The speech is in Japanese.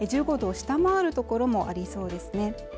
１５度を下回る所もありそうですね